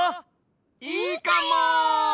いいかも！